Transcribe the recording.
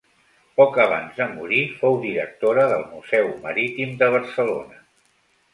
Poc abans de morir fou directora del Museu Marítim de Barcelona.